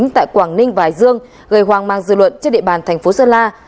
tại quảng ninh và hải dương gây hoang mang dư luận trên địa bàn thành phố sơn la